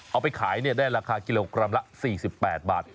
เอาไปขายได้ราคากิโลกรัมละ๔๘บาท